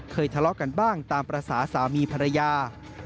ทะเลาะกันบ้างตามภาษาสามีภรรยา